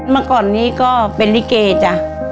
มาก่อนนี้ก็เป็นริเกย์จ้ะ